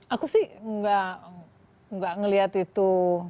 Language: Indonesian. aku sih gak ngeliat itu